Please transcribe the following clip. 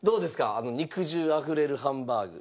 あの肉汁あふれるハンバーグ。